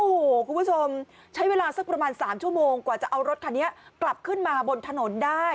โอ้โหคุณผู้ชมใช้เวลาสักประมาณ๓ชั่วโมงกว่าจะเอารถคันนี้กลับขึ้นมาบนถนนได้